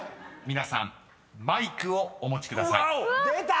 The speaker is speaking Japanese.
［皆さんマイクをお持ちください］出た！